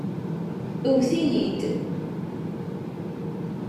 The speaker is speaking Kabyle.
Ewwet-iyi-d.